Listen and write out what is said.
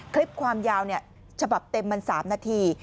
คลิปความยาวฉบับเต็มมัน๓นาที